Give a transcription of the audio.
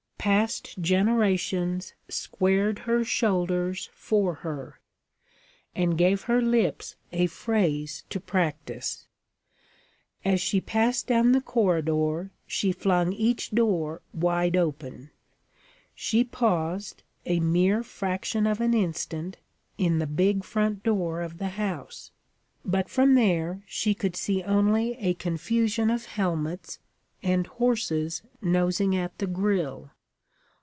Past generations squared her shoulders for her, and gave her lips a phrase to practice. As she passed down the corridor, she flung each door wide open. She paused, a mere fraction of an instant, in the big front door of the house; but from there she could see only a confusion of helmets, and horses nosing at the grille.